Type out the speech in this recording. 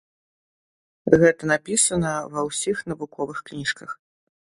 Гэта напісана ва ўсіх навуковых кніжках.